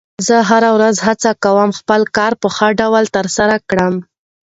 زه هره ورځ هڅه کوم خپل کار په ښه ډول ترسره کړم